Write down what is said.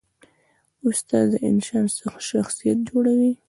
استاد د انسان شخصیت جوړوي.